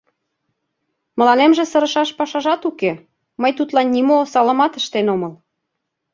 Мыланемже сырышаш пашажат уке: мый тудлан нимо осалымат ыштен омыл.